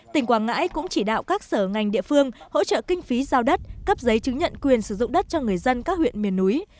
tỉnh quảng ngãi cũng chỉ đạo các sở ngành địa phương hỗ trợ kinh phí giao đất cấp giấy chứng nhận quyền sử dụng đất cho người dân các huyện miền núi